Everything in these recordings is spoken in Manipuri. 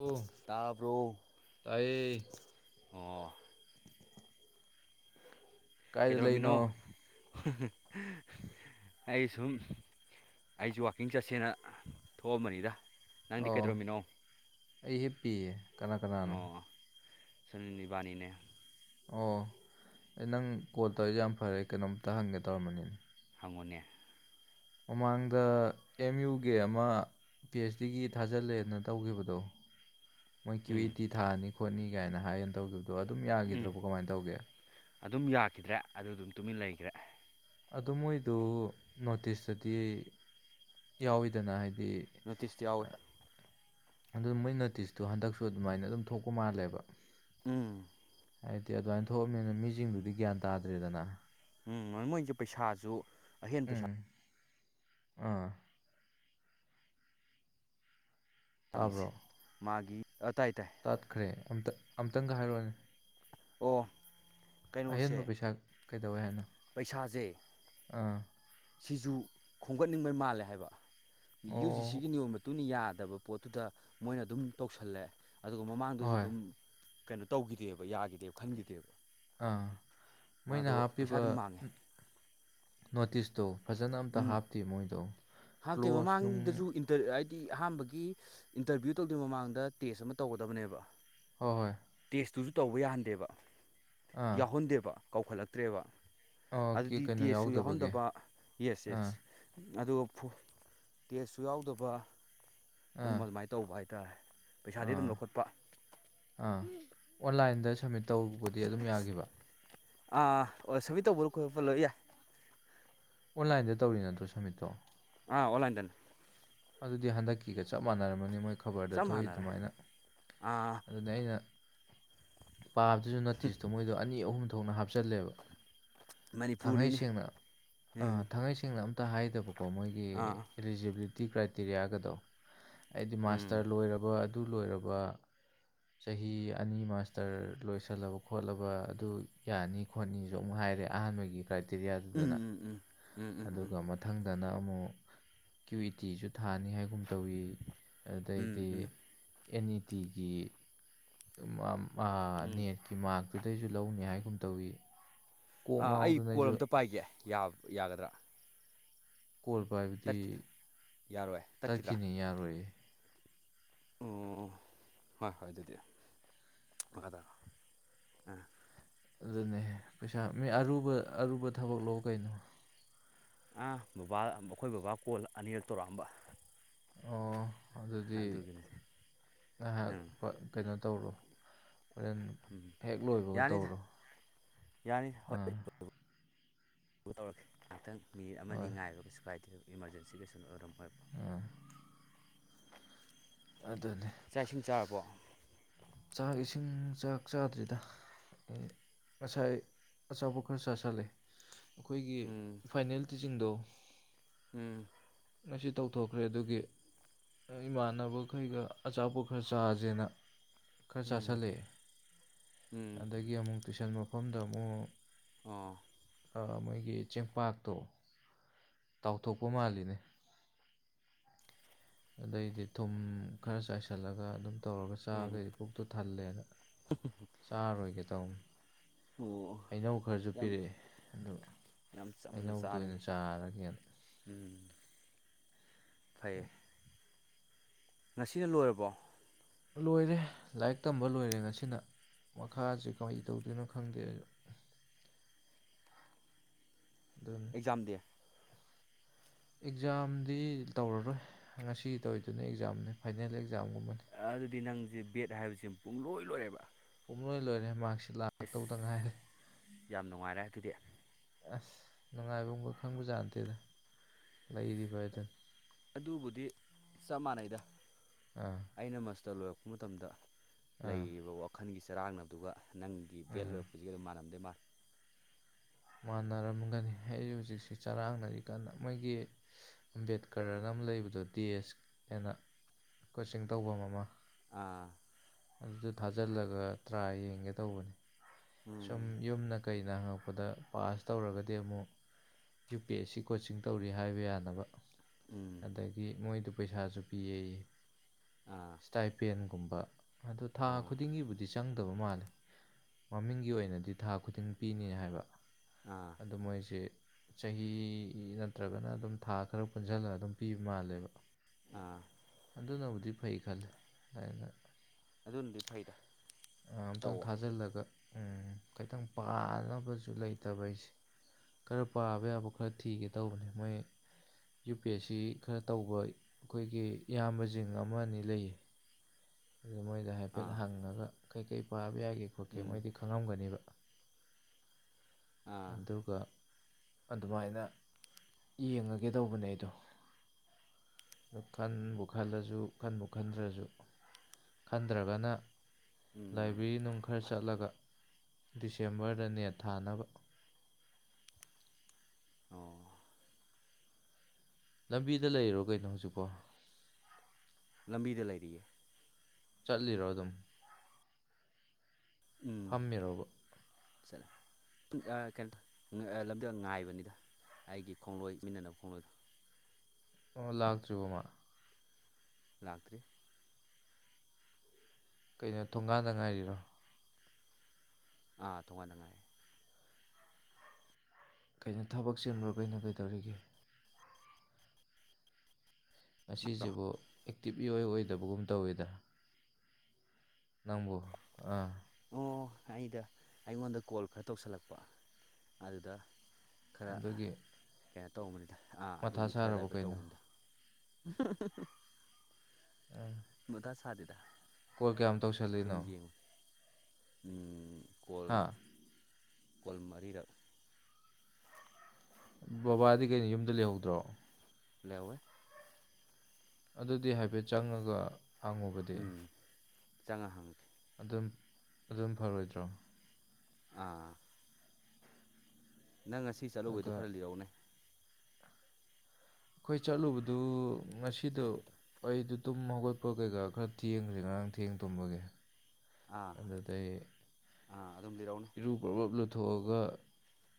ꯑꯣ ꯇꯥꯕ꯭ꯔꯣ ꯇꯥꯏꯌꯦ ꯑꯣ ꯀꯥꯏꯗ ꯀꯩꯗꯧꯔꯝꯃꯤꯅꯣ ꯂꯩꯅꯣ ꯑꯩ ꯁꯨꯝ ꯑꯩꯁꯦ ꯋꯥꯛꯀꯤꯡ ꯆꯠꯁꯦꯅ ꯊꯣꯛꯑꯝꯕꯅꯤꯗ ꯅꯪꯗꯤ ꯑꯣ ꯀꯩꯗꯧꯔꯝꯃꯤꯅꯣ ꯑꯩ ꯍꯦꯛ ꯄꯤꯌꯦ ꯀꯅꯥ ꯀꯅꯥꯅꯣ ꯁꯅꯤꯕꯅꯤꯅꯦ ꯑꯣ ꯑꯩ ꯅꯪ ꯀꯣꯜ ꯇꯧꯔꯤꯁꯦ ꯌꯥꯝ ꯐꯔꯦ ꯀꯩꯅꯣꯝꯇ ꯍꯪꯒꯦ ꯇꯧꯔꯝꯕꯅꯤꯅ ꯍꯪꯉꯅꯦ ꯃꯃꯥꯡꯗ ꯑꯦꯝ ꯌꯨꯒꯤ ꯑꯃ ꯄꯤ ꯑꯩꯆ ꯗꯤꯒꯤ ꯊꯥꯖꯤꯜꯂꯦꯅ ꯇꯧꯈꯤꯕꯗꯣ ꯃꯣꯏ ꯀ꯭ꯌꯨ ꯏ ꯎꯝ ꯇꯤ ꯊꯥꯅꯤ ꯈꯣꯠꯅꯤ ꯀꯥꯏꯅ ꯍꯥꯏꯒꯅ ꯇꯧꯈꯤꯕꯗꯣ ꯑꯗꯨꯝ ꯎꯝ ꯌꯥꯈꯤꯗ꯭ꯔꯕꯣ ꯀꯃꯥꯏꯅ ꯇꯧꯒꯦ ꯑꯗꯨꯝ ꯌꯥꯈꯤꯗ꯭ꯔꯦ ꯑꯗꯨ ꯑꯗꯨꯝ ꯇꯨꯃꯤꯟ ꯂꯩꯈ꯭ꯔꯦ ꯑꯗꯨ ꯃꯣꯏꯗꯨ ꯅꯣꯇꯤꯁꯇꯗꯤ ꯌꯥꯎꯋꯤꯗꯅ ꯍꯥꯏꯗꯤ ꯅꯣꯇꯤꯁꯇꯨ ꯌꯥꯎꯋꯦ ꯑꯗꯨ ꯃꯣꯏ ꯅꯣꯇꯤꯁꯇꯣ ꯍꯟꯗꯛꯁꯨ ꯑꯗꯨꯃꯥꯏꯅ ꯑꯗꯨꯝ ꯊꯣꯛꯄ ꯃꯥꯜꯂꯦꯕ ꯎꯝ ꯍꯥꯏꯗꯤ ꯑꯗꯨꯃꯥꯏꯅ ꯊꯣꯛꯑꯅꯤꯅ ꯃꯤꯁꯤꯡꯗꯨꯗꯤ ꯒ꯭ꯌꯥꯟ ꯇꯥꯗ꯭ꯔꯦꯗꯅ ꯎꯝ ꯃꯣꯏꯁꯨꯦ ꯄꯩꯁꯥꯁꯨ ꯑꯍꯦꯟ ꯄꯩꯁꯥ ꯎꯝ ꯑꯥ ꯍꯥꯡꯒꯤꯁꯦ ꯃꯥꯒꯤ ꯑꯇꯥꯏ ꯇꯥꯏ ꯇꯥꯠꯈ꯭ꯔꯦ ꯑꯇ ꯑꯝꯇꯪꯒ ꯍꯥꯏꯔꯛꯑꯣꯅꯤ ꯑꯣ ꯀꯩꯅꯣꯁꯦ ꯑꯍꯦꯟꯕ ꯄꯩꯁꯥ ꯀꯩꯗꯧꯋꯦ ꯍꯥꯏꯅꯣ ꯄꯩꯁꯥꯁꯦ ꯑꯥ ꯁꯤꯁꯨ ꯈꯣꯝꯒꯠꯅꯤꯡꯕꯩ ꯃꯥꯜꯂꯦ ꯍꯥꯏꯕ ꯌꯨ ꯖꯤ ꯑꯣ ꯁꯤꯒꯤ ꯅꯤꯌꯣꯝ ꯃꯇꯨꯡꯟꯅ ꯌꯥꯗꯕ ꯄꯣꯠꯇꯨꯗ ꯃꯣꯏꯅ ꯑꯗꯨꯝ ꯇꯧꯁꯜꯂꯑꯦ ꯑꯗꯨꯒ ꯃꯃꯥꯡꯗꯁꯨ ꯍꯣꯏ ꯑꯗꯨꯝ ꯀꯩꯅꯣ ꯇꯧꯈꯤꯗꯦꯕ ꯌꯥꯈꯤꯗꯦꯕ ꯈꯟꯈꯤꯗꯦꯕ ꯑꯥ ꯃꯣꯏꯅ ꯑꯗꯣ ꯄꯩꯁꯥ ꯍꯥꯞꯄꯤꯕ ꯑꯗꯨꯝ ꯃꯥꯡꯉꯦ ꯅꯣꯇꯤꯁꯇꯣ ꯐꯖꯅ ꯑꯝꯇ ꯎꯝ ꯍꯥꯞꯇꯦ ꯃꯣꯏꯗꯣ ꯍꯥꯞꯇꯦ ꯀ꯭ꯂꯣꯁ ꯅꯨꯡ ꯃꯃꯥꯡꯗꯁꯨ ꯇ ꯍꯥꯏꯗꯤ ꯑꯍꯥꯟꯕꯒꯤ ꯏꯟꯇꯔꯚꯤꯌꯨ ꯇꯧꯗ꯭ꯣꯏꯩ ꯃꯃꯥꯡꯗ ꯇꯦꯁ ꯑꯃ ꯇꯧꯒꯗꯕꯅꯦꯕ ꯍꯣꯏ ꯍꯣꯏ ꯇꯦꯁꯇꯨꯁꯨ ꯇꯧꯕ ꯌꯥꯍꯟꯗꯦꯕ ꯑꯥ ꯌꯥꯎꯍꯟꯗꯦꯕ ꯀꯧꯈꯠꯂꯛꯇ꯭ꯔꯦꯕ ꯑꯣ ꯀꯤ ꯑꯗꯨꯗꯤ ꯀꯩꯅꯣ ꯇꯦꯁꯁꯨ ꯌꯥꯎꯗꯕꯒꯤ ꯌꯥꯎꯍꯟꯗꯕ ꯌꯦꯁ ꯑꯥ ꯌꯦꯁ ꯑꯗꯨꯒ ꯇꯦꯁꯁꯨ ꯌꯥꯎꯗꯕ ꯑꯥ ꯑꯗꯨꯝ ꯑꯗꯨꯃꯥꯏꯅ ꯇꯧꯕ ꯍꯥꯏꯇꯥꯔꯦ ꯄꯩꯁꯥꯗꯤ ꯑꯥ ꯑꯗꯨꯝ ꯂꯧꯈꯠꯄ ꯑꯥ ꯑꯣꯟꯂꯥꯏꯟꯗ ꯁꯝꯃꯤꯠ ꯇꯧꯕꯗꯤ ꯑꯗꯨꯝ ꯌꯥꯒꯤꯈꯤꯕ ꯑꯥ ꯑꯣ ꯁꯨꯕꯤ ꯇꯧꯕꯔꯣ ꯈꯜꯂꯣ ꯌꯥꯏ ꯑꯣꯟꯂꯥꯏꯟꯗ ꯇꯧꯔꯤ ꯅꯠꯇ꯭ꯔꯣ ꯁꯝꯃꯤꯠꯇꯣ ꯑꯥ ꯑꯣꯟꯂꯥꯏꯟꯗꯅꯤ ꯑꯗꯨꯗꯤ ꯍꯟꯗꯛꯀꯤꯒ ꯆꯞ ꯃꯥꯟꯅꯔꯝꯃꯅꯤ ꯃꯣꯏ ꯈꯕꯔꯗ ꯆꯞ ꯊꯣꯛꯏ ꯃꯥꯟꯅꯔꯦ ꯑꯗꯨꯃꯥꯏꯅ ꯑꯥ ꯑꯗꯨꯅ ꯑꯩꯅ ꯄꯥꯕꯗꯨꯁꯨ ꯅꯠꯇꯤꯁꯇꯣ ꯃꯣꯏꯗꯣ ꯑꯅꯤ ꯑꯍꯨꯝ ꯊꯣꯛꯅ ꯍꯥꯞꯆꯜꯂꯦꯕ ꯊꯥꯡꯃꯩ ꯃꯅꯤꯄꯨꯔꯅꯤꯅꯦ ꯁꯦꯡꯅ ꯎꯝ ꯊꯥꯡꯃꯩ ꯁꯦꯡꯅ ꯑꯝꯇ ꯍꯥꯏꯗꯕꯀꯣ ꯃꯣꯏꯒꯤ ꯑꯥ ꯏꯂꯤꯖꯤꯕꯤꯂꯤꯇꯤ ꯀ꯭ꯔꯥꯏꯇꯦꯔꯤꯌꯥꯒꯗꯣ ꯍꯥꯏꯗꯤ ꯎꯝ ꯃꯥꯁꯇꯔ ꯂꯣꯏꯔꯕ ꯑꯗꯨ ꯂꯣꯏꯔꯕ ꯆꯍꯤ ꯑꯅꯤ ꯃꯥꯁꯇꯔ ꯂꯣꯏꯁꯜꯂꯕ ꯈꯣꯠꯂꯕ ꯑꯗꯨ ꯌꯥꯅꯤ ꯈꯣꯠꯅꯤꯁꯨ ꯑꯃꯨꯛ ꯍꯥꯏꯔꯦ ꯑꯍꯥꯟꯕꯒꯤ ꯎꯝ ꯀ꯭ꯔꯥꯏꯇꯦꯔꯤꯌꯥꯗꯨꯗꯅ ꯎꯝ ꯎꯝ ꯎꯝ ꯎꯝ ꯎꯝ ꯑꯗꯨꯒ ꯑꯃꯥ ꯃꯊꯪꯗꯅ ꯑꯃꯨꯛ ꯀ꯭ꯌꯨ ꯏ ꯇꯤꯁꯨ ꯊꯥꯅꯤ ꯍꯥꯏ ꯒꯨꯝ ꯇꯧꯏ ꯎꯝ ꯑꯗꯨꯗꯩꯗꯤ ꯎꯝ ꯑꯦꯟ ꯏ ꯇꯤꯒꯤ ꯃꯥ ꯑꯥ ꯎꯝ ꯅꯦꯠꯀꯤ ꯃꯥꯛꯇꯨꯗꯩꯁꯨ ꯂꯧꯅꯤ ꯍꯥꯏꯒꯨꯝ ꯇꯧꯏ ꯑꯥ ꯑꯩ ꯀꯣꯜ ꯑꯝꯇ ꯄꯥꯏꯒꯦ ꯌꯥ ꯌꯥꯒꯗ꯭ꯔꯥ ꯀꯣꯜ ꯄꯥꯏꯕꯗꯤ ꯇꯠꯈꯤꯗ꯭ꯔꯥ ꯌꯥꯔꯣꯏ ꯇꯠꯈꯤꯗ꯭ꯔꯥ ꯇꯠꯈꯤꯅꯤ ꯌꯥꯔꯣꯏꯌꯦ ꯑꯣ ꯍꯣꯏ ꯍꯣꯏ ꯑꯗꯨꯗꯤ ꯑꯗꯣ ꯑꯥ ꯑꯗꯨꯅꯦ ꯄꯩꯁꯥ ꯃꯤ ꯑꯔꯨꯕ ꯑꯔꯨꯕ ꯊꯕꯛ ꯂꯣ ꯀꯩꯅꯣ ꯑ ꯕꯥꯕꯥ ꯑꯩꯈꯣꯏ ꯕꯥꯕꯥ ꯀꯣꯜ ꯑꯅꯤꯔꯛ ꯇꯧꯔꯛꯑꯝꯕ ꯑꯣ ꯑꯗꯨꯗꯤ ꯑꯗꯨꯒꯤꯅꯤ ꯉꯥꯏꯍꯥꯛ ꯎꯝ ꯀꯩꯅꯣ ꯇꯧꯔꯣ ꯐꯖꯅ ꯎꯝ ꯍꯦꯛ ꯂꯣꯏꯕꯒ ꯌꯥꯅꯤꯗ ꯇꯧꯔꯣ ꯑꯥ ꯇꯧꯔꯒꯦ ꯈꯤꯇꯪ ꯃꯤꯅꯤꯠ ꯑꯅꯤ ꯍꯣꯏ ꯉꯥꯏꯕ ꯀꯩꯁꯨ ꯀꯥꯏꯗꯦ ꯏꯃꯥꯔꯖꯦꯟꯁꯤ ꯀꯩꯁꯨ ꯑꯣꯏꯔꯝ ꯑꯥ [unintelligible] ꯑꯗꯨꯅꯦ ꯆꯥꯛ ꯏꯁꯤꯡ ꯆꯥꯔꯕꯣ ꯆꯥꯛ ꯏꯁꯤꯡ ꯆꯥꯛ ꯆꯥꯗ꯭ꯔꯤꯗ ꯎꯝ ꯉꯁꯥꯏ ꯑꯆꯥꯄꯣꯠ ꯈꯔ ꯆꯥꯁꯜꯂꯦ ꯑꯩꯈꯣꯏꯒꯤ ꯎꯝ ꯐꯥꯏꯅꯦꯜ ꯇꯤꯆꯤꯡꯗꯣ ꯎꯝ ꯉꯁꯤ ꯇꯧꯊꯣꯛꯈ꯭ꯔꯦ ꯑꯗꯨꯒꯤ ꯏꯃꯥꯟꯅꯕꯈꯩꯒ ꯑꯆꯥꯄꯣꯠ ꯈꯔ ꯆꯥꯁꯦꯅ ꯈꯔ ꯎꯝ ꯆꯥꯥꯁꯜꯂꯛꯑꯦ ꯎꯝ ꯑꯗꯒꯤ ꯑꯃꯨꯛ ꯇꯨꯏꯁꯟ ꯃꯐꯝꯗ ꯑꯃꯨꯛ ꯑꯣ ꯑꯥ ꯃꯣꯏꯒꯤ ꯆꯦꯡꯄꯥꯛꯇꯣ ꯇꯥꯎꯊꯣꯛꯄ ꯃꯥꯜꯂꯤꯅꯦ ꯑꯗꯩꯗꯤ ꯊꯨꯝ ꯈꯔ ꯆꯥꯏꯁꯤꯜꯂꯒ ꯑꯗꯨꯝ ꯇꯧꯔꯒ ꯎꯝ ꯆꯥꯕꯗꯩꯗꯤ ꯄꯨꯛꯇꯨ ꯊꯜꯂꯦꯅ ꯆꯥꯔꯔꯣꯏꯒꯦ ꯇꯧꯅꯤ ꯑꯣ ꯍꯩꯅꯧ ꯈꯔꯁꯨ ꯌꯥꯝ ꯄꯤꯔꯛꯑꯦ ꯑꯗꯨ ꯌꯥꯝ ꯆꯝꯅ ꯍꯩꯅꯧꯗꯨ ꯑꯣꯏꯅ ꯆꯥꯔꯦꯅꯦ ꯆꯥꯔꯒꯦꯅ ꯎꯝ ꯐꯩꯌꯦ ꯉꯁꯤꯅ ꯂꯣꯏꯔꯕꯣ ꯂꯣꯏꯔꯦ ꯂꯥꯏꯔꯤꯛ ꯇꯝꯕ ꯂꯣꯏꯔꯦ ꯉꯁꯤꯅ ꯃꯈꯥꯁꯦ ꯀꯃꯥꯏ ꯇꯧꯗꯣꯏꯅꯣ ꯈꯪꯗꯦ ꯑꯩꯖꯨ [unintelligible] ꯑꯦꯛꯖꯥꯝ ꯗꯤ ꯑꯦꯛꯖꯥꯝꯗꯤ ꯇꯧꯔꯔꯣꯏ ꯉꯁꯤ ꯇꯧꯔꯤꯗꯨꯅ ꯑꯦꯛꯖꯥꯝꯅꯤ ꯐꯥꯏꯅꯦꯜ ꯑꯦꯛꯖꯥꯝꯒꯨꯝꯕꯅꯤ ꯑꯗꯨꯗꯤ ꯅꯪꯁꯦ ꯕꯦꯠ ꯍꯥꯏꯕꯁꯤ ꯄꯨꯡ ꯂꯣꯏ ꯂꯣꯏꯔꯦꯕ ꯄꯨꯡꯂꯣꯏ ꯂꯣꯏꯔꯦ ꯃꯥꯛꯁꯤꯠ ꯑꯦꯁ ꯂꯥꯛꯇꯧꯗ ꯉꯥꯏꯔꯦ ꯌꯥꯝ ꯅꯨꯡꯉꯥꯏꯔꯦ ꯑꯗꯨꯗꯤ ꯑꯁ ꯅꯨꯡꯉꯥꯏꯕꯝꯒ ꯈꯪꯕꯖꯥꯠ ꯅꯠꯇꯦꯗꯥ ꯂꯩꯔꯤꯕ ꯍꯥꯏꯗꯨꯅꯤ ꯑꯗꯨꯕꯨꯗꯤ ꯆꯞ ꯃꯥꯟꯅꯩꯗ ꯑꯥ ꯑꯩꯅ ꯃꯥꯁꯇꯔ ꯂꯣꯏꯔꯛꯄ ꯃꯇꯝꯗ ꯑꯥ ꯂꯩꯔꯤꯕ ꯋꯥꯈꯜꯒꯤ ꯆꯔꯥꯡꯅꯕꯗꯨꯒ ꯅꯪꯒꯤ ꯕꯦꯜ ꯎꯝ ꯂꯔꯛꯄꯁꯤꯒ ꯑꯗꯨꯝ ꯃꯥꯟꯅꯝꯗꯧ ꯃꯥꯜꯂꯤ ꯃꯥꯟꯅꯔꯝꯒꯅꯤ ꯑꯩꯁꯨ ꯍꯧꯖꯤꯛꯁꯦ ꯆꯔꯥꯡꯅꯔꯤ ꯀꯥꯟꯅ ꯃꯣꯏꯒꯤ ꯑꯝꯕꯦꯛꯀꯔꯅ ꯑꯝ ꯂꯩꯕꯗꯣ ꯗꯤ ꯑꯦꯁ ꯑꯦꯅ ꯀꯣꯆꯤꯡ ꯇꯧꯐꯝ ꯑꯃ ꯑꯥ ꯑꯗꯨ ꯊꯥꯖꯤꯜꯂꯒ ꯇ꯭ꯔꯥ ꯌꯦꯡꯒꯦ ꯇꯧꯕꯅꯤ ꯁꯨꯝ ꯎꯝ ꯌꯨꯝꯅ ꯀꯩꯅ ꯍꯪꯉꯛꯄꯗ ꯄꯥꯁ ꯇꯧꯔꯒꯗꯤ ꯑꯃꯨꯛ U P S C coaching ꯇꯧꯔꯤ ꯍꯥꯏꯕ ꯌꯥꯅꯕ ꯎꯝ ꯑꯗꯒꯤ ꯃꯣꯏꯗꯨ ꯄꯩꯁꯥꯁꯨ ꯄꯤꯌꯦ ꯑꯥ ꯏꯁꯇꯥꯏꯄꯦꯟꯒꯨꯝꯕ ꯑꯗꯣ ꯊꯥ ꯑꯥ ꯈꯨꯗꯤꯡꯒꯤꯕꯨꯗꯤ ꯆ ꯆꯪꯗꯕ ꯃꯥꯜꯂꯦ ꯃꯃꯤꯡꯒꯤ ꯑꯣꯏꯅꯗꯤ ꯊꯥ ꯈꯨꯗꯤꯡ ꯄꯤꯅꯤ ꯍꯥꯏꯕ ꯎꯥ ꯑꯗꯨꯗ ꯃꯣꯏꯁꯤ ꯆꯍꯤ ꯅꯠꯇ꯭ꯔꯒꯅ ꯑꯗꯨꯝ ꯊꯥ ꯈꯔ ꯄꯨꯟꯁꯤꯜꯂꯒ ꯑꯗꯨꯝ ꯄꯤꯕ ꯃꯥꯜꯂꯦꯕ ꯑꯥ ꯑꯗꯨꯅꯕꯨꯗꯤ ꯐꯩ ꯈꯂꯦ ꯑꯅ ꯑꯗꯨꯅꯗꯤ ꯐꯩꯗ ꯑꯝꯇꯪ ꯇꯧꯋꯣ ꯊꯥꯖꯤꯜꯂꯒ ꯎꯝ ꯈꯩꯇꯪ ꯄꯥꯅꯕꯁꯨ ꯂꯩꯇꯕ ꯑꯩꯁꯦ꯫ ꯈꯔ ꯄꯥꯕ ꯌꯥꯕ ꯈꯔ ꯊꯤꯒꯦ ꯇꯧꯕꯅꯦ ꯃꯣꯏ ꯌꯨ ꯄꯤ ꯑꯦꯁ ꯁꯤ ꯈꯔ ꯇꯧꯕ ꯑꯩꯈꯣꯏꯒꯤ ꯏꯌꯥꯝꯕ ꯖꯤꯡ ꯑꯃ ꯑꯅꯤ ꯂꯩꯌꯦ꯫ ꯑꯗꯨ ꯃꯣꯏꯗ ꯍꯥꯏꯐꯦꯠ ꯑꯥ ꯍꯪꯉꯒ ꯀꯩꯀꯩ ꯄꯥꯕ ꯌꯥꯒꯦ ꯈꯣꯠꯀꯦ ꯎꯝ ꯃꯣꯏꯗꯤ ꯈꯪꯉꯝꯒꯅꯦꯕ꯫ ꯎꯥ ꯑꯗꯨꯒ ꯑꯗꯨꯃꯥꯏꯅ ꯌꯦꯡꯉꯒꯦ ꯇꯧꯕꯅꯦ ꯑꯩꯗꯣ꫰꫰ ꯑꯗꯨ ꯈꯟꯕꯨ ꯈꯜꯂꯁꯨ ꯈꯟꯕꯨ ꯈꯟꯗ꯭ꯔꯁꯨ ꯈꯟꯗ꯭ꯔꯒꯅ꯫ ꯎꯝ ꯂꯥꯏꯕꯦꯔꯤ ꯅꯨꯡ ꯈꯔ ꯆꯠꯂꯒ ꯗꯤꯁꯦꯝꯕꯔꯗ ꯅꯦꯠ ꯊꯥꯅꯕ꯫ ꯑꯣ ꯂꯝꯕꯤꯗ ꯂꯩꯔꯣ ꯀꯩꯅꯣ ꯍꯧꯖꯤꯛꯐꯥꯎ ꯂꯝꯕꯤꯗ ꯂꯩꯔꯤꯌꯦ ꯆꯠꯂꯤꯔꯣ ꯑꯗꯨꯝ ꯎꯝ ꯐꯝꯃꯤꯔꯣꯕ ꯆꯠꯂꯦ ꯀꯩꯅꯣ ꯂꯝꯗꯦꯜ ꯉꯥꯏꯕꯅꯤꯗ ꯑꯩꯒꯤ ꯈꯣꯡꯂꯣꯏ ꯃꯤꯟꯅꯅꯕ ꯈꯣꯡꯂꯣꯏꯗ ꯑꯣ ꯂꯥꯛꯇ꯭ꯔꯤꯕ ꯃꯥ ꯂꯥꯛꯇ꯭ꯔꯔꯤ ꯀꯩꯅꯣ ꯊꯣꯡꯒꯥꯟꯗ ꯉꯥꯏꯔꯤꯔꯣ ꯑꯥ ꯇꯣꯉꯥꯟ ꯅꯨꯡꯉꯥꯏꯔꯦ ꯀꯩꯅꯣ ꯊꯕꯛ ꯆꯦꯟꯕꯨꯔ ꯀꯩꯅꯣ ꯀꯩꯗꯧꯔꯤꯒꯦ ꯑꯁꯤꯁꯤꯕꯨ ꯑꯦꯛꯇꯤꯞꯂꯤꯏ ꯑꯣꯏꯗꯕꯒꯨꯝ ꯇꯧꯋꯤꯗꯅ ꯅꯪꯝꯕꯣ ꯑꯥ ꯑꯣ ꯑꯩꯗ ꯑꯩꯉꯣꯟꯗ ꯀꯣꯜ ꯈꯔ ꯇꯧꯁꯜꯂꯛꯄ ꯑꯗꯨꯗ ꯈꯔ ꯑꯗꯨꯒꯤ ꯀꯩꯅꯣ ꯇꯧꯕꯅꯤꯗ ꯑꯥ ꯃꯊꯥ ꯑꯗꯨꯒꯤ ꯈꯔ ꯁꯥꯔꯕ ꯗꯥꯏꯚ꯭ꯔꯠ ꯀꯩꯅꯣ ꯇꯧꯕꯅꯤꯗ ꯎꯝ ꯃꯙꯥ ꯁꯥꯗꯗ ꯀꯣꯜ ꯀꯌꯥꯝ ꯇꯧꯁꯜꯂꯤꯅꯣ ꯀꯣꯜ ꯍꯥ ꯀꯣꯜ ꯃꯔꯤꯔꯛ ꯕꯕꯥꯗꯤ ꯀꯩꯅꯣ ꯌꯨꯝꯗ ꯂꯩꯍꯧꯗ꯭ꯔꯣ ꯂꯦꯋꯦ ꯑꯗꯨꯗꯤ ꯍꯥꯏꯐꯦꯠ ꯆꯪꯉꯒ ꯍꯪꯉꯨꯕꯗꯤ ꯎꯝ ꯆꯪꯉꯥ ꯍꯪꯒꯦ ꯑꯗꯨꯝ ꯑꯗꯨꯝ ꯐꯔꯣꯏꯗ꯭ꯔꯣ ꯑꯥ ꯅꯪ ꯉꯁꯤ ꯆꯠꯂꯨꯕꯩꯗꯣ ꯑꯗꯨꯒ ꯈꯔ ꯂꯤꯔꯧꯅꯦ ꯑꯩꯈꯣꯏ ꯆꯠꯂꯨꯕꯗꯨ ꯉꯁꯤꯗꯣ ꯑꯩꯗꯨ ꯇꯨꯝ ꯍꯧꯒꯠ ꯑꯣꯠꯄ ꯀꯩꯀꯥ ꯈꯔ ꯊꯦꯡꯈ꯭ꯔꯁꯦ ꯉꯔꯥꯡ ꯊꯦꯡ ꯇꯨꯝꯃꯒꯦ ꯑꯥ ꯑꯗꯨꯗꯩ ꯑꯥ ꯑꯗꯨꯝ ꯂꯤꯔꯛꯎꯅꯦ ꯏꯔꯨ ꯄꯥ ꯄꯔꯥꯞ ꯂꯨꯊꯣꯛꯑꯒ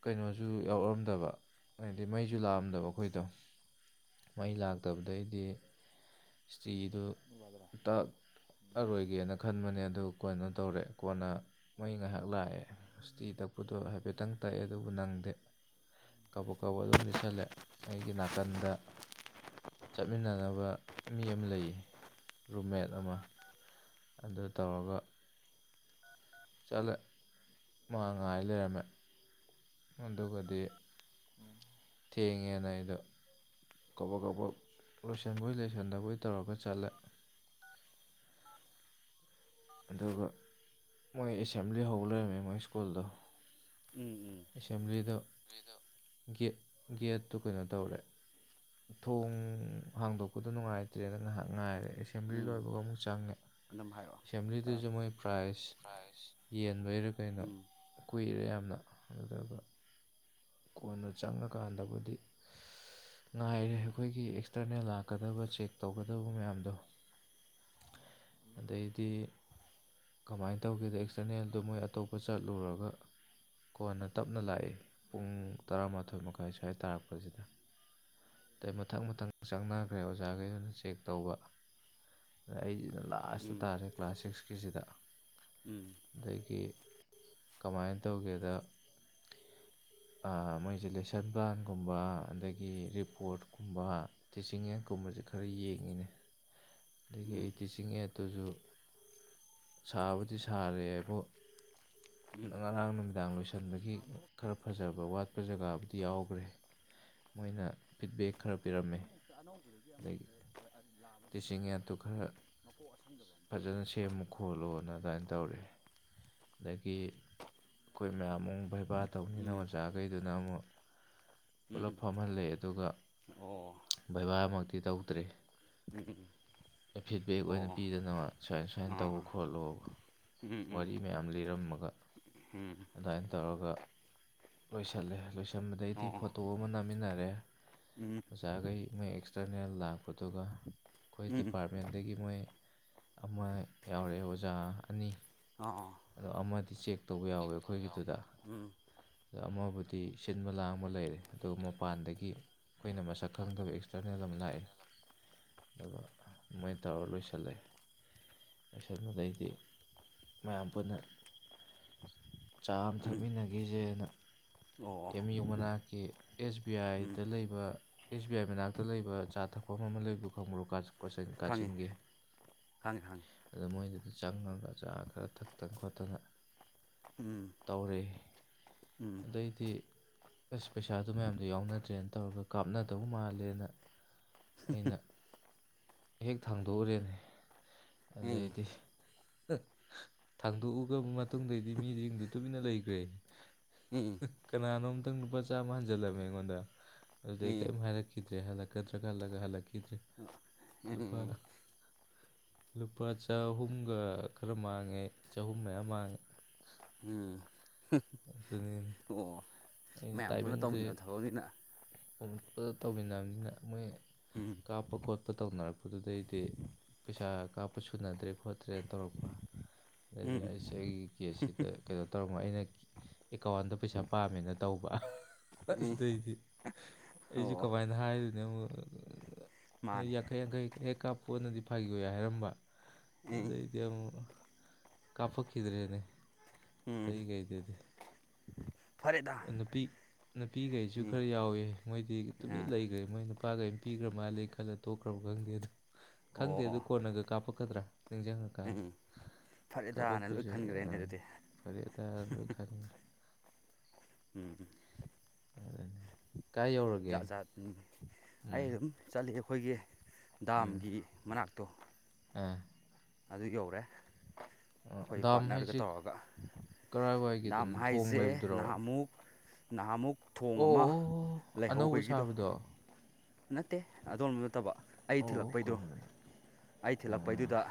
ꯀꯩꯅꯣꯁꯨ ꯌꯥꯎꯔꯔꯝꯗꯕ ꯍꯥꯏꯗꯤ ꯃꯩꯁꯨ ꯂꯥꯛꯑꯝꯗꯕ ꯑꯩꯈꯣꯏꯗꯣ ꯃꯩ ꯂꯥꯛꯇꯕꯗꯩꯗꯤ ꯏꯁꯇ꯭ꯔꯤꯗꯨ ꯇ ꯑꯔꯣꯏꯒꯦꯅ ꯈꯟꯕꯅꯦ ꯑꯗꯨ ꯀꯣꯏꯅꯣ ꯇꯧꯔꯛꯑꯦ ꯀꯣꯟꯅ ꯃꯩ ꯉꯥꯏꯍꯥꯛ ꯂꯥꯛꯑꯦ ꯍꯇꯤ ꯇꯛꯄꯗꯣ ꯍꯥꯏꯐꯦꯠꯇꯪ ꯇꯛꯑꯦ ꯑꯗꯨꯕꯨ ꯅꯪꯗꯤ ꯀꯕ ꯀꯕ ꯑꯗꯨꯝ ꯂꯤꯁꯜꯂꯦ ꯑꯩꯒꯤ ꯅꯥꯀꯟꯗ ꯆꯠꯃꯤꯟꯅꯅꯕ ꯃꯤ ꯑꯃ ꯂꯩꯌꯦ ꯔꯨꯝꯃꯦꯠ ꯑꯃ ꯑꯗꯨ ꯇꯧꯔꯒ ꯆꯠꯂꯦ ꯃꯥ ꯉꯥꯏ ꯂꯩꯔꯝꯃꯦ ꯑꯗꯨꯒꯗꯤ ꯊꯦꯡꯉꯦꯅ ꯑꯩꯗꯣ ꯀꯕꯛ ꯀꯕꯛ ꯂꯣꯏꯁꯟꯕꯣꯏ ꯂꫭꯏꯁꯟꯗꯕꯣꯏ ꯇꯧꯔꯒ ꯆꯠꯂꯦ ꯑꯗꯨꯒꯥ ꯃꯣꯏ ꯑꯦꯁꯦꯝꯕ꯭ꯂꯤ ꯍꯧꯔꯥ ꯂꯩꯔꯝꯃꯦ ꯃꯣꯏ ꯁ꯭ꯀꯨꯜꯗꯣ ꯎꯝꯝ ꯎꯝꯝ ꯑꯦꯁꯦꯝꯕ꯭ꯂꯤꯗꫭ ꯒꯦꯠꯇꫭ ꯀꯩꯅꯣ ꯇꯧꯔꯦ꯫ ꯊꯣꯡ ꯍꯥꯡꯗꯣꯛꯄꯗꯣ ꯅꯨꯡꯉꯥꯏꯇ꯭ꯔꯦꯅ ꯉꯥꯏꯍꯥꯛꯇꯪ ꯉꯥꯏꯔꯦ ꯑꯦꯁꯦꯝꯕ꯭ꯂꯤ ꯂꯣꯏꯕꯒꯥ ꯑꯃꯨꯛ ꯆꯪꯉꯦ ꯑꯗꯨꯝꯅꯥ ꯍꯥꯏꯔꯛꯑꫭ ꯑꯦꯁꯦꯝꯕ꯭ꯂꯤꯗꯨꯁꯨ ꯃꯣꯏꯒꯤ ꯄ꯭ꯔꯥꯏꯖ ꯌꯦꯟꯕꯩꯔꯥ ꯀꯩꯅꯣ ꯎꯝ ꯀꯨꯏꯔꯦ ꯌꯥꯝꯅ ꯑꯗꯨꯒꯥ ꯀꯣꯟꯅꯗꯤ ꯆꯪꯉꯥꯀꯥꯟꯗꯕꯨꯗꯤ ꯉꯥꯏꯔꯦ ꯑꯩꯈꯣꯏꯒꯤ ꯑꯦꯛꯁꯇꯔꯅꯦꯜ ꯂꯥꯛꯀꯗꯧꯕꯥ ꯆꯦꯛ ꯇꯧꯒꯗꯕꯥ ꯃꯌꯥꯝꯗꯣ ꯑꯗꯥꯒꯤꯗꯤ ꯀꯃꯥꯏꯅ ꯇꯧꯒꯦꯗꯥ ꯑꯦꯛꯁꯇꯔꯅꯦꯜꯗꯣ ꯃꯣꯏ ꯑꯇꯣꯞꯄꯥ ꯆꯠꯂꯨꯔꯒꯥ ꯀꯣꯟꯅ ꯇꯞꯅ ꯂꯥꯛꯏ ꯄꯨꯡ ꯇꯔꯥꯃꯥꯊꯣꯏ ꯃꯈꯥꯏ ꯇꯥꯔꯛ ꯄꯒꯤꯁꯨꯋꯥꯗ ꯑꯗꯒꯤ ꯃꯊꯪ ꯃꯊꯪ ꯆꯪꯅꯈ꯭ꯔꯦ ꯑꯣꯖꯥꯈꯩꯗꯨꯅ ꯆꯦꯛ ꯇꯧꯕ ꯑꯗꯩ ꯑꯩꯁꯤꯅ ꯂꯥꯁꯇ ꯎꯝ ꯇꯥꯔꯦ ꯀ꯭ꯂꯥꯁ ꯁꯤꯛꯁꯀꯤꯁꯤꯗ ꯎꯝꯝ ꯑꯗꯥꯒꯤ ꯀꯃꯥꯏꯅꯥ ꯇꯧꯒꯦꯗꯥ ꯑꯥ ꯃꯣꯏꯁꯦ ꯂꯦꯁꯟ ꯄ꯭ꯂꯥꯟꯒꯨꯝꯕ ꯑꯗꯒꯤ ꯔꯤꯄꯣꯔꯠꯀꯨꯝꯕꯥ ꯇꯤꯆꯤꯡꯌꯥꯟ ꯀꯨꯝꯕꯁꯤ ꯈꯔ ꯌꯦꯡꯉꯤꯅꯦ ꯑꯗꯒꯤ ꯎꯝ ꯇꯤꯆꯤꯡ ꯑꯦꯠꯇꯨꯁꯨ ꯁꯥꯕꯨꯗꯤ ꯁꯥꯔꯦ ꯍꯥꯏꯕꯨ [unintelligible] ꯎꯝ [inaudible] ꯉꯔꯥꯡ ꯅꯨꯃꯤꯗꯥꯡ ꯂꯣꯏꯁꯟꯕꯒꯤ ꯈꯔ ꯐꯖꯕꯥ ꯋꯥꯠꯄꯥ ꯖꯒꯥꯕꯨꯗꯤ ꯌꯥꯎꯈ꯭ꯔꯦ ꯃꯣꯏꯅꯥ ꯐꯤꯠꯕꯦꯛ ꯈꯔꯗꯤ ꯄꯤꯔꯝꯃꯦ ꯑ° ꯑꯅꯧꯕꯗꯨꯗꯒꯤ ꯑꯃꯁꯤ ꯂꯥꯝꯃꯥ ꯆꯤꯡꯌꯥꯠꯇꯨ ꯈꯔ ꯐꯖꯅ ꯁꯦꯝꯃꯨ ꯈꯣꯠꯂꯣꯅꯤ ꯑꯗꯨꯃꯥꯏꯅ ꯇꯧꯔꯦ ꯑꯗꯒꯤꯗꯤ ꯑꯩꯈꯣꯏ ꯃꯌꯥꯝ ꯑꯃꯨꯛ ꯕꯩꯕꯥꯔ ꯇꯧꯅꯤꯅ ꯎꯝ ꯑꯣꯖꯥꯈꯩꯗꯨꯅ ꯑꯃꯨꯛ ꯎꯝ ꯄꯨꯂꯞ ꯎꯝ ꯐꯝꯍꯜꯂꯦ ꯑꯗꯨꯒꯥ ꯑꯣ ꯕꯩꯕꯥꯃꯛ ꯇꯤ ꯇꯧꯗ꯭ꯔꯦ ꯑꯝꯝ ꯐꯤꯠꯕꯦꯛ ꯑꯣꯏꯅ ꯄꯤꯗꯅꯥ ꯁꯨꯃꯥꯏ ꯁꯨꯃꯥꯏꯅ ꯑꯥ ꯇꯧꯑꫭ ꯑꯥ ꯈꯣꯠꯂꯨꯅꯥ ꯎꯝ ꯎꯝ ꯋꯥꯔꯤ ꯃꯌꯥꯝ ꯂꯤꯔꯝꯃꯥꯒ ꯎꯝ ꯑꯗꯨꯃꯥꯏꯅ ꯇꯧꯔꯒꯥ ꯂꯣꯏꯁꯜꯂꯦ ꯂꯣꯏꯁꯟꯕꯥꯗꯒꯤꯗꯤ ꯑꯣ ꯐꯣꯇꯣ ꯑꯃ ꯅꯝꯃꯤꯟꯅꯔꯦ ꯎꯝ ꯑꯣꯖꯥꯈꯩ ꯅ° ꯑꯦꯛꯁꯇꯔꯅꯦꯜ ꯂꯥꯛꯄꯗꯨꯒꯥ ꯎꯝ ꯗꯤꯄꯥꯔꯠꯃꯦꯟꯗꯒꯤꯗꯤ ꯃꯣꯏ ꯑꯃ ꯌꯥꯎꯔꯑꯦ꯫ ꯑꯣꯖꯥ ꯑꯅꯤ ꯑꯥꯑꫭ ꯑꯗꯨ ꯑꯃꯗꯤ ꯆꯦꯛ ꯇꯧꯕꯥ ꯌꯥꯎꯋꯦ ꯑꯩꯈꯣꯏꯒꯤꯗꯨꯗꯥ ꯎꯝ ꯑꯗꯣ ꯑꯃꯕꯨꯗꯤ ꯁꯤꯟꯕ ꯂꯥꯡꯕ ꯂꯩꯔꯦ ꯑꯗꯨꯒꯥ ꯃꯄꯥꯟꯗꯒꯤ ꯑꯩꯈꯣꯏꯅꯥ ꯃꯁꯛ ꯈꯪꯗꯕ ꯑꯦꯛꯁꯇꯔꯅꯦꯜ ꯑꯃꯥꯒ ꯂꯥꯛꯑꯦ ꯑꯗꯨꯒꯥ ꯑꯗꯨꯃꯥꯏꯅ ꯇꯧꯔꯒ ꯂꯣꯏꯁꯤꯜꯂꯦ ꯂꯣꯏꯁꯤꯟꯕꯗꯩꯗꯤ ꯃꯌꯥꯝ ꯄꯨꯟꯅꯥ ꯆꯥ ꯑꯃ ꯎꯝ ꯊꯛꯃꯤꯟꯅ ꯈꯤꯁꯦꯅꯥ ꯑꯣ ꯑꯦꯝ ꯑꯎ ꯃꯅꯥꯛꯀꯤ ꯑꯦꯁ ꯕꯤ ꯎꯝ ꯑꯥꯏꯗ ꯂꯩꯕ ꯑꯦꯁ ꯕꯤ ꯑꯥꯏ ꯃꯅꯥꯛꯇ ꯂꯩꯕ ꯑꯆꯥꯥ ꯊꯛꯐꯝ ꯑꯃ ꯂꯩꯕꯗꯨ ꯈꯪꯕ꯭ꯔꯣ ꯀꯥꯟ ꯀꯣꯠꯆꯟ ꯈꯪꯉꯦ ꯀꯥꯠꯆꯤꯟꯒꯤ ꯈꯪꯉꯦ ꯈꯪꯉꯦ ꯑꯗꯨꯗ ꯥ ꯃꯣꯏꯒꯤꯗꯨꯗ ꯆꯪꯉꯒ ꯆꯥ ꯈꯔ ꯊꯛꯇꯅꯥ ꯈꯣꯠꯇꯥꯅ ꯎꯝ ꯇꯧꯔꯦ ꯎꯝ ꯑꯗꯩꯗꯤ ꯑꯥꯁ ꯄꯩꯁꯥꯗꫭ ꯃꯌꯥꯝꯗꯣ ꯌꯥꯎꯅꯗ꯭ꯔꯦꯅ ꯇꯧꯔꯒ ꯀꯥꯞꯅꯗꯧ ꯃꯥꯜꯂꯦꯅꯥ ꯑꯩꯅ ꯍꯦꯛ ꯊꯥꯡꯗꯣꯛ ꯎꯔꯦꯅꯦ ꯎꯝ ꯑꯗꯩꯗꯤ ꯊꯥꯡꯗꯣꯛꯎꯔꯕ ꯃꯇꯨꯡꯗꯩꯗꯤ ꯃꯤꯁꯤꯡꯁꯤꯡꯗꯨ ꯇꯨꯃꯤꯟꯅꯥ ꯂꯩꯈ꯭ꯔꯦ ꯎꯝ ꯀꯅꯥꯅꯣ ꯑꯃꯇꯪ ꯂꯨꯄꯥ ꯆꯥꯝꯃꯥ ꯍꯟꯖꯜꯂꯝꯃꯤ ꯑꯩꯉꯣꯟꯗꯥ ꯑꯗꯨꯗꯩ ꯀꯔꯤꯝ ꯍꯥꯏꯔꯛꯗ꯭ꯔꯦ ꯍꯂꯛꯀ꯭ꯗꯔ ꯈꯜꯔꯒꯥ ꯍꯟꯔꯛꯈꯤꯗꯔ° ꯎꯝꯝ ꯝ ꯂꯨꯄꯥ ꯆꯍꯨꯝꯒꯥ ꯈꯔ ꯃꯥꯡꯉꯦ ꯆꯍꯨꯝ ꯃꯌꯥ ꯃꯥꯡꯉꯦ ꯑꯩ ꯎꯝ ꯑꯗꯨꯨꯝꯒꯤ ꯑꯣ꯫ ꯑꯩꯅ ꯃꯌꯥꯝ ꯄꯨꯟꯅ ꯇꯥꯏꯃꯤꯡꯁ ꯇꯧꯃꯤꯟꯅꯕ ꯊꯕꯛꯅꯤꯅ ꯄꯣꯄ ꯇꯧꯃꯤꯟꯅꯕꯅꯤꯅ ꯃꯣꯏ꯫ ꯎꯝ ꯀꯥꯞꯄ ꯈꯣꯠꯄ ꯇꯧꯅꯔꯛꯄꯗꯨꯗꯩꯗꯤ__ ꯄꯩꯁꯥ ꯀꯥꯞꯄ ꯁꯨꯅꯗ꯭ꯔꯦ ꯈꯣꯠꯇ꯭ꯔꯦꯅ ꯇꯧꯔꯛꯄ꯫ ꯑꯗꯩꯗꯤ ꯎꯝ ꯑꯩꯁꯦ ꯑꯩꯒꯤ ꯀꯦꯁ ꯁꯤꯗ ꯀꯩꯅꯣ ꯇꯧꯔꯝꯃꯣ ꯑꯩꯅ ꯑꯦꯀꯥꯎꯟꯗ ꯄꯩꯁꯥ ꯄꯥꯝꯃꯤꯅ__ ꯇꯧꯕ ꯎꯝ ꯑꯗꯏꯗꯤ꯫ ꯑꯩꯁꯨ ꯑꯣ ꯀꯃꯥꯏꯅ ꯍꯥꯏꯔꯤꯅꯣ ꯃꯥꯅꯦ ꯌꯥꯡꯈꯩ ꯌꯥꯡꯈꯩ__ ꯍꯦꯛ ꯀꯥꯞꯄꯣꯅꯗꯤ ꯐꯒꯤ ꯍꯥꯏꯔꯝꯕ ꯎꯝ ꯑꯗꯩꯗꯤ ꯑꯃꯨꯛ__ ꯀꯥꯄꯈꯤꯗ꯭ꯔꯦꯅꯦ ꯑ ꯎꯝ ꯇꯩ ꯀꯩꯗꯗꯤ ꯐꯔꯦꯗ꯫ ꯅꯨꯄꯤ꯫ ꯅꯨꯄꯤꯈꯩꯁꯨ ꯎꯝ ꯈꯔ ꯌꯥꯎꯋꯦ ꯃꯣꯏꯗꯤ ꯇꯨꯃꯤꯟꯅ ꯑꯥ ꯂꯩꯈ꯭ꯔꯦ ꯃꯣꯏ ꯅꯨꯄꯥꯈꯩ ꯅꯨꯄꯤꯈ꯭ꯔ ꯃꯥꯜꯜꯂꯤꯦ ꯈꯜꯂ꯫ ꯇꯣꯛꯈ꯭ꯔꯕ ꯈꯪꯗꯦ ꯑꯗꯨ ꯈꯪꯗꯦ ꯑꯗꯨ ꯑꯣ ꯀꯣꯟꯅꯒ ꯀꯥꯞꯄꯛꯀꯗ꯭ꯔꯥ ꯅꯤꯡꯁꯤꯡꯉꯀꯥꯟꯗ꯫ ꯎꯝ ꯀꯕ ꯐꯔꯦꯗꯥꯅ ꯂꯣꯏ ꯈꯨꯁ ꯈꯟꯈ꯭ꯔꯦꯅꯦ ꯑꯗꯨꯗꯤ ꯐꯔꯌꯥ ꯇꯣꯏ ꯈ꯫ ꯎꯝ ꯑꯗꯨꯅꯤ ꯀꯥꯏ ꯌꯧꯔꯒꯦ ꯖꯥꯠ ꯖꯥꯠ ꯑꯩ ꯎꯝ ꯑꯗꯨꯝ ꯆꯠꯂꯤ ꯑꯩꯈꯣꯏꯒꯤ ꯎꯝ ꯗꯥꯝꯒꯤ ꯃꯅꯥꯛꯇꯣ꯫ ꯑꯥ ꯑꯗꯨ ꯌꯧꯔꯦ꯫ ꯑꯩꯈꯣꯏ ꯗꯥꯝ ꯄꯥꯔꯠꯅꯔꯒ ꯍꯥꯏꯁꯦ ꯇꯧꯔꯒ ꯗꯥꯝ ꯀꯔꯥꯏꯋꯥꯏꯒꯤꯗꯨꯅꯣ ꯊꯣꯡ ꯍꯥꯏꯁꯦ ꯂꯩꯕꯗꯨꯔꯣ ꯅꯍꯥꯟꯃꯨꯛ__ ꯅꯍꯥꯃꯨꯛ ꯊꯣꯡ ꯑꯣ ꯑꯃ ꯑꯣ ꯑꯅꯧꯕ ꯂꯩꯍꯧꯕꯒꯤꯗꯣ꯫ ꯁꯥꯕꯗꯣ ꯑꯣ ꯅꯠꯇꯦ ꯑꯗꯣꯟꯝꯕ ꯅꯠꯇꯕ ꯑꯩ ꯑꯣ ꯊꯤꯜꯂꯛꯄꯩꯗꯣ ꯀꯔꯝꯕꯅꯣ ꯑꯩ ꯎꯝ ꯊꯤꯜꯂꯛꯄꯩꯗꯨꯗ__